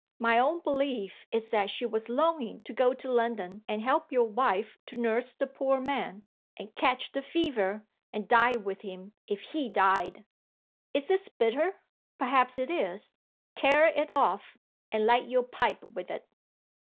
My own belief is that she was longing to go to London, and help your wife to nurse the poor man, and catch the fever, and die with him if he died. Is this bitter? Perhaps it is. Tear it off, and light your pipe with it.